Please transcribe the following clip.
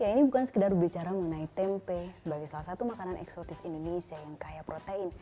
ya ini bukan sekedar bicara mengenai tempe sebagai salah satu makanan eksotis indonesia yang kaya protein